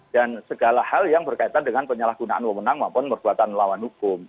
dan segala hal yang berkaitan dengan penyalahgunaan uang menang maupun perbuatan lawan hukum